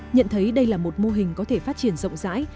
nhận thấy đây là một mô hình có thể phát triển rộng rãi